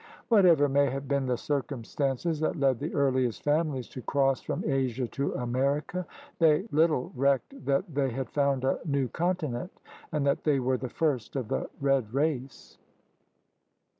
Whatever may have been the circumstances that led the earliest families to cross from Asia to America, they little recked that they had found a new continent and that they were the first of the red race.